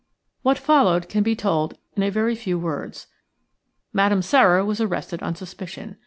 What followed can be told in a very few words. Madame Sara was arrested on suspicion.